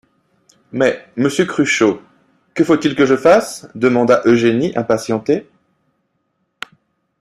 Mais, monsieur Cruchot, que faut-il que je fasse? demanda Eugénie impatientée.